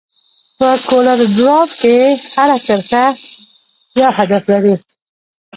په کولر ډراو کې هره کرښه یو هدف لري.